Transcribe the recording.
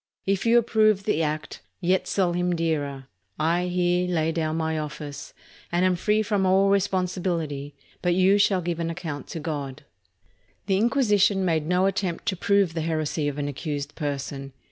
If you approve the act, yet sell Him dearer, I here lay down my office, and am free from all responsibility; but you shall give an account to God." The Inquisition made no attempt to prove the heresy of an accused person.